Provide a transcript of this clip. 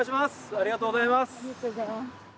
ありがとうございます。